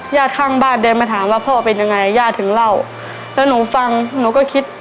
ข้างบ้านเดินมาถามว่าพ่อเป็นยังไงย่าถึงเล่าแล้วหนูฟังหนูก็คิด